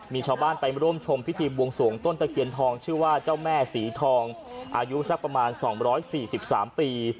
มีชาวบ้านไปร่วมชมพิธีบวงสวงต้นตะเคียนทองชื่อว่าเจ้าแม่สีทองอายุสักประมาณ๒๔๓ปี